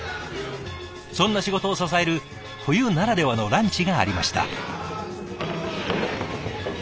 そんな仕事を支える冬ならではのランチがありました。